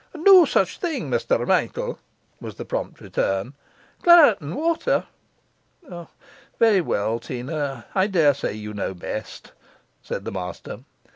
'No such a thing, Mr Michael,' was the prompt return. 'Clar't and water.' 'Well, well, Teena, I daresay you know best,' said the master.